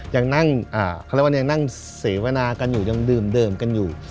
ยังนั่งเขาเรียกว่ายังนั่งเสวนากันอยู่ยังดื่มกันอยู่